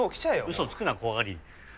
嘘つくな怖がり！